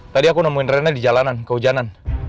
tadi aku nemuin rena di jalanan kehujanan